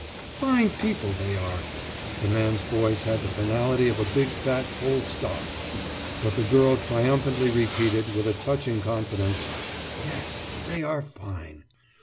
« »Fine people, they are!« The man's voice had the finality of a big fat full stop, but the girl triumphantly repeated, with a touching confidence: »Yes! They are fine!